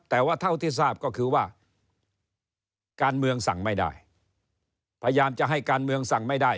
แต่ว่าเท่าที่ทราบก็คือว่าการเมืองสั่งไม่ได้พยายามจะให้การเมืองสั่งไม่ได้